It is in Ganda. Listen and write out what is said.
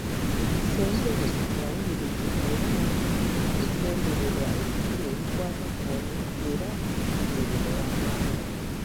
Ssentebe yawuliriza era n’ategeera ebigendererwa ebikulu ebikwata ku bonna era bye bino wammanga.